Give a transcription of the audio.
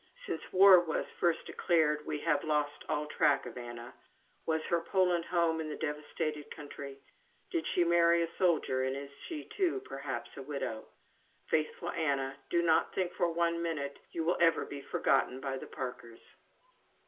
Since war was first declared we have lost all track of Anna. Was her Poland home in the devastated country? Did she marry a soldier, and is she too, perhaps, a widow? Faithful Anna, do not think for one minute you will ever be forgotten by the Parkers.